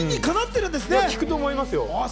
効くと思います